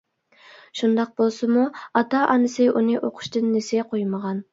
شۇنداق بولسىمۇ ئاتا-ئانىسى ئۇنى ئوقۇشتىن نېسى قويمىغان.